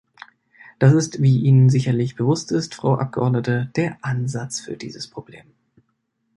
Das ist, wie Ihnen sicherlich bewusst ist, Frau Abgeordnete, der Ansatz für dieses Problem.